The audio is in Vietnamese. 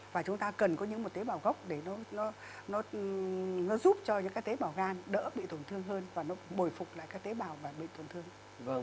và chúng ta cần có những một tế bào gốc để nó giúp cho những cái tế bào gan đỡ bị tổn thương hơn và nó bồi phục lại các tế bào và bị tổn thương